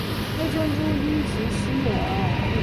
黑珍珠因其稀有而昂贵。